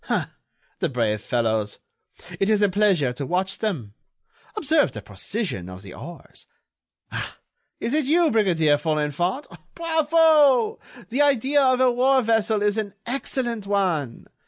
Ah! the brave fellows! It is a pleasure to watch them. Observe the precision of the oars! Ah! is it you, Brigadier Folenfant? Bravo! The idea of a war vessel is an excellent one.